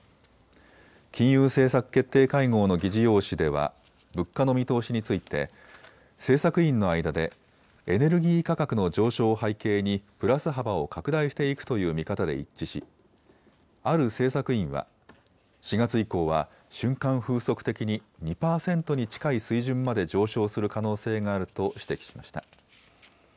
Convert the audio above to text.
金融政策決定会合の議事要旨では物価の見通しについて政策委員の間でエネルギー価格の上昇を背景にプラス幅を拡大していくという見方で一致しある政策委員は、４月以降は瞬間風速的に２％に近い水準まで上昇する可能性があると指摘しました。